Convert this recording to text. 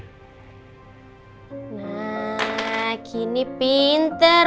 nah gini pinter